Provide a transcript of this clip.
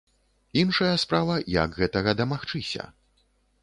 Іншая справа, як гэтага дамагчыся.